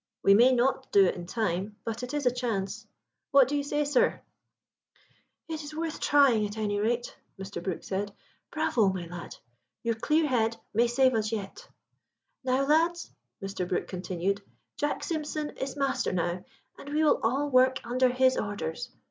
We may not do it in time, but it is a chance. What do you say, sir?" "It is worth trying, at any rate," Mr. Brook said. "Bravo, my lad! your clear head may save us yet. "Now, lads," Mr. Brook continued, "Jack Simpson is master now, and we will all work under his orders.